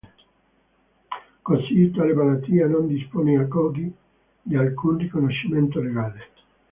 Così tale malattia non dispone ad oggi di alcun riconoscimento legale.